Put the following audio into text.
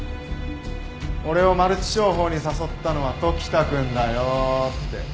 俺をマルチ商法に誘ったのは時田くんだよって。